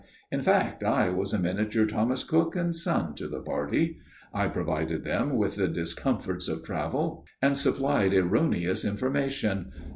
In fact, I was a miniature Thomas Cook and Son to the party. I provided them with the discomforts of travel and supplied erroneous information.